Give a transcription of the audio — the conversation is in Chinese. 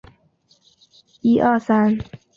阿比伊。